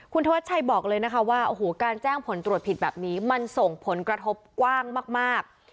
คุณธวัชชัยบอกเลยนะคะว่าโอ้โหการแจ้งผลตรวจผิดแบบนี้มันส่งผลกระทบกว้างมาก